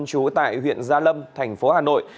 trú tại huyện gia lâm thành phố hà nội